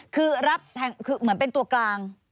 คือเหมือนเป็นตัวกลาง